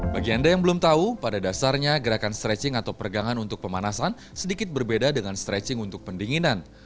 bagi anda yang belum tahu pada dasarnya gerakan stretching atau pergangan untuk pemanasan sedikit berbeda dengan stretching untuk pendinginan